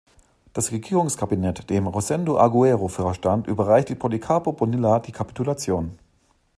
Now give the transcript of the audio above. Das Regierungskabinett, dem Rosendo Agüero vorstand, überreichte Policarpo Bonilla die Kapitulation.